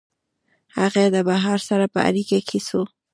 هغه د بهر سره په اړیکه کي سو